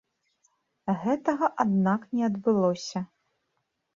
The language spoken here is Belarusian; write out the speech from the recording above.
Гэтага аднак не адбылося.